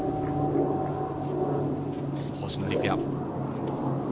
星野陸也。